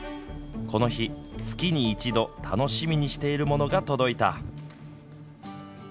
この日、月に一度楽しみにしているものが届いた。